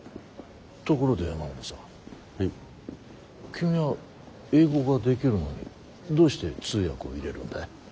君は英語ができるのにどうして通訳を入れるんだい？